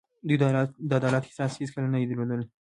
دوی د عدالت احساس هېڅکله نه دی درلودلی.